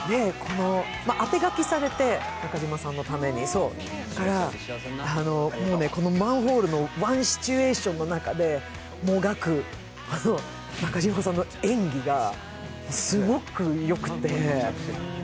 あて書きされて、中島さんのためにだから、このマンホールのワンシチュエーションの中でもがく中島さんの演技がすごくよくて。